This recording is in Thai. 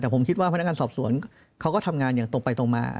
แต่ผมคิดว่าพนักงานสอบสวนเขาก็ทำงานอย่างตรงไปตรงมา